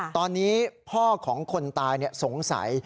ตอนนี้พ่อของคนตายสงสัย